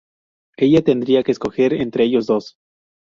Ella tendría que escoger entre ellos dos.